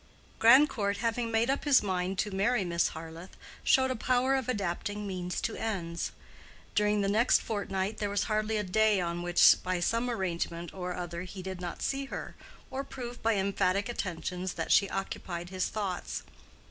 Grandcourt having made up his mind to marry Miss Harleth, showed a power of adapting means to ends. During the next fortnight there was hardly a day on which by some arrangement or other he did not see her, or prove by emphatic attentions that she occupied his thoughts.